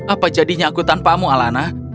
apa jadinya aku tanpamu alana